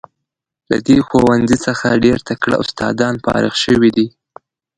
له دې ښوونځي څخه ډیر تکړه استادان فارغ شوي دي.